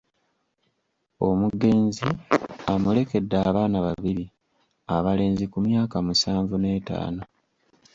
Omugenzi amulekedde abaana babiri abalenzi ku myaka musanvu n’etaano.